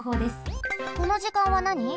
この時間はなに？